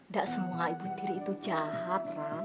nggak semua ibu tiri itu jahat ran